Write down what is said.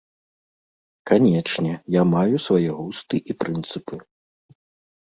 Канечне, я маю свае густы і прынцыпы.